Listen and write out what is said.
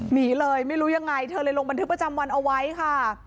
หนีเลยไม่รู้ยังไงเธอเลยลงบันทึกประจำวันเอาไว้ค่ะ